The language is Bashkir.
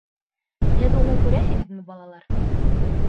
Һеҙ уны күрәһегеҙме, балалар?